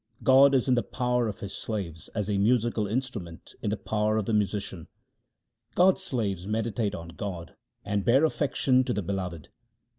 God is in the power of His slaves as a musical instrument in the power of the musician. God's slaves meditate on God and bear affection to the Beloved.